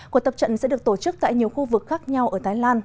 cuộc tập trận sẽ được tổ chức tại nhiều khu vực khác nhau ở thái lan